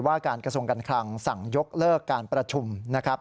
ว่าการกระทรวงการคลังสั่งยกเลิกการประชุมนะครับ